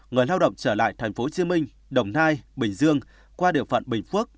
người lao động trở lại tp hcm đồng nai bình dương qua địa phận bình phước